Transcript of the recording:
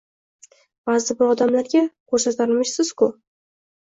Ba`zi bir odamlarga ko`rsatarmishsiz-ku